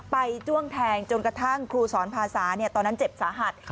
จ้วงแทงจนกระทั่งครูสอนภาษาตอนนั้นเจ็บสาหัส